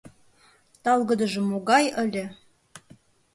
Талгыдыже могай ыле!